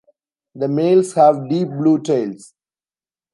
The males have deep blue tails.